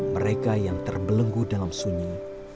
mereka yang terbelenggu dalam sunyi